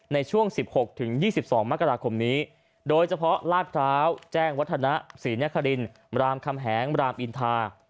ในช่วง๑๖๒๒มกราคมนี้โดยเฉพาะลาดพร้าวแจ้งวัฒนะศรีนครินรามคำแหงรามอินทา